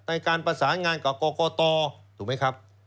ในการประสานงานกับกรกตถูกไหมครับ